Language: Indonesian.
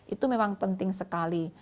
itu memang penting sekali